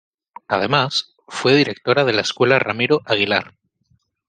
Además, fue directora de la Escuela Ramiro Aguilar.